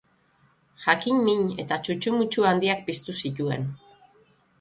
Jakin-min eta txutxumutxu handiak piztu zituen.